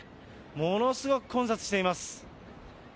ものすごく混雑しています。